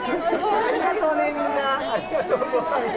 ありがとうございます。